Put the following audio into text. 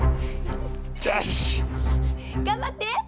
よし！頑張って！